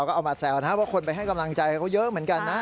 ก็เอามาแซวนะว่าคนไปให้กำลังใจเขาเยอะเหมือนกันนะ